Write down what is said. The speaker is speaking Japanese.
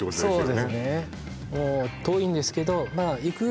そうですね